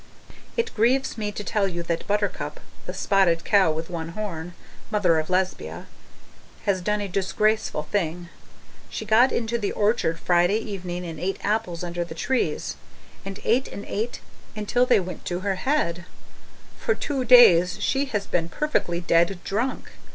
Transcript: It grieves me to tell you that Buttercup (the spotted cow with one horn, Mother of Lesbia) has done a disgraceful thing. She got into the orchard Friday evening and ate apples under the trees, and ate and ate until they went to her head. For two days she has been perfectly dead drunk!